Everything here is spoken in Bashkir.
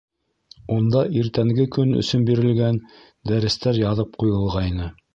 Унда иртәнге көн өсөн бирелгән дәрестәр яҙып ҡуйылғайны.